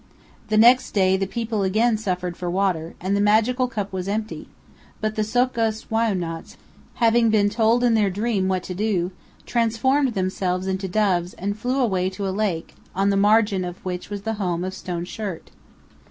The next day the people again suffered for water, and the magical cup was empty; but the So'kus Wai'unats, having been told in their dream what to do, transformed themselves into doves and flew away to a lake, on the margin of which was the home of Stone Shirt.